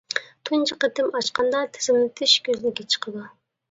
تۇنجى قېتىم ئاچقاندا تىزىملىتىش كۆزنىكى چىقىدۇ.